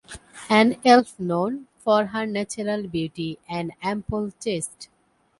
An Elf known for her natural beauty and ample chest.